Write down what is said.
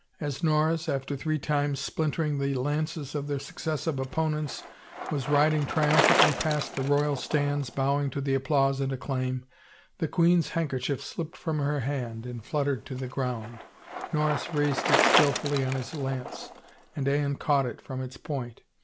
As Norris, after three times splintering the lances of their succes sive opponents, was riding triumphantly past the royal stands, bowing to the applause and acclaim, the queen's handkerchief slipped from her hand and fluttered to the ground. Norris raised it skillfully on his lance and Anne caught it from its point.